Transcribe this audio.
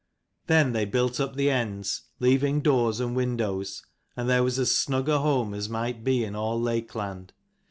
Then they built up the ends, leaving doors and windows, and there was as snug a home as might be in all Lakeland.